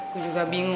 gue juga bingung